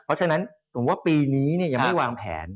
เพราะฉะนั้นผมว่าปีนี้ยังไม่วางแผน